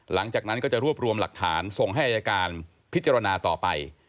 หลังจากนั้นก็จะรวบรวมหลักฐานส่งให้อายการพิจารณาต่อไป